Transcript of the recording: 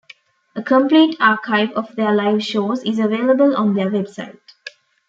A complete archive of their live shows is available on their website.